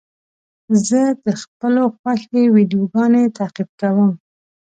زه د خپلو خوښې ویډیوګانو تعقیب کوم.